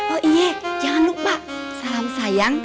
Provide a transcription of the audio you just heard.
oh iya jangan lupa